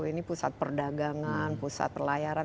ini pusat perdagangan pusat pelayaran